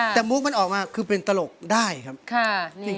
แต่มุกมันออกมาคือเป็นตลกได้ครับ